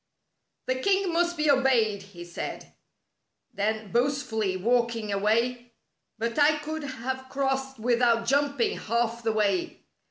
" The king must be obeyed," he said. Then boastfully, walking away: "But I could have crossed without jumping half the way.